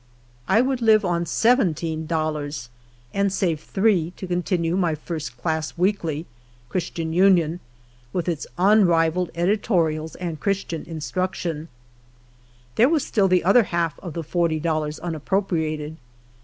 I would live on seventeen dollars, and save three to con tinue my first class weekly (C. TL), with its unrivalled edito rials and Christian instruction. There was still the other half of the forty dollars unappropriated.